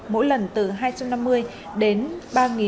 mỗi lần từ hai trăm năm mươi đến